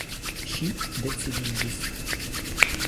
Ŝi decidiĝis.